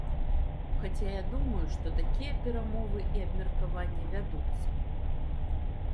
Хаця я думаю, што такія перамовы і абмеркаванні вядуцца.